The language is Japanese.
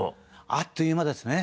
あっという間ですね。